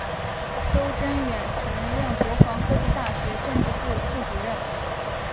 邹征远曾任国防科技大学政治部副主任。